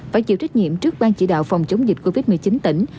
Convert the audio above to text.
phải chịu trách nhiệm trước ban chỉ đạo phòng chống dịch covid một mươi chín tỉnh